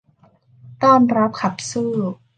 ต้อนรับขับสู้